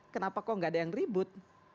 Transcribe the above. kenapa kok gak ada yang ribut